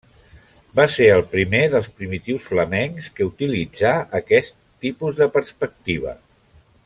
Va ser el primer dels primitius flamencs que utilitzà aquest tipus de perspectiva.